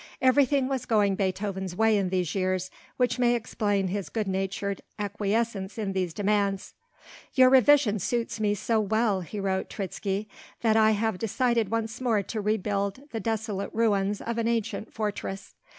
Everything was going Beethoven's way in these years, which may explain his good natured acquiescence in these demands. "Your revision suits me so well," he wrote Treitschke, "that I have decided once more to rebuild the desolate ruins of an ancient fortress."